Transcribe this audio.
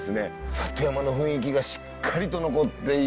里山の雰囲気がしっかりと残っている。